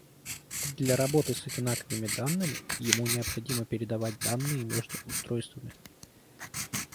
Для работы с одинаковыми данными, ему необходимо передавать данные между устройствами